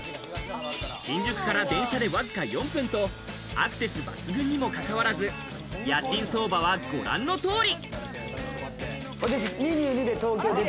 新宿から電車でわずか４分とアクセス抜群にもかかわらず、家賃相場はご覧の通り。